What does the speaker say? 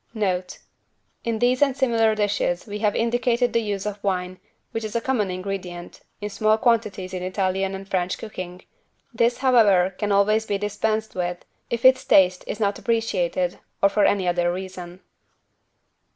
=Note.= In these and similar dishes we have indicated the use of wine, which is a common ingredient, in small quantities in Italian and French cooking. This, however, can always be dispensed with if its taste is not appreciated, or for any other reason.